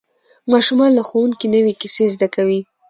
ماشومان له ښوونکي نوې کیسې زده کوي